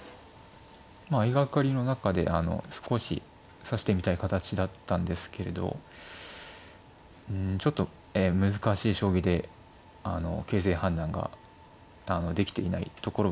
まあ相掛かりの中で少し指してみたい形だったんですけれどうんちょっと難しい将棋であの形勢判断ができていないところがあったと思います。